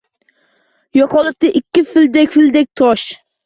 Yo’qolibdi ikki fildek-fildek tosh.